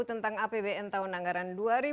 tentang apbn tahun anggaran dua ribu dua puluh